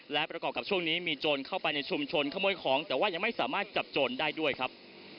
และประกอบกับช่วงนี้มีโจรเข้าไปในชุมชนขโมยของแต่ว่ายังไม่สามารถจับโจรได้ด้วยครับ